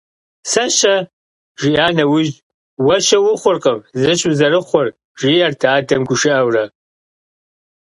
«Сэ-щэ?» жиӏа нэужь «Уэ щэ ухъуркъым, зыщ узэрыхъур» жиӏэрт адэм гушыӏэурэ.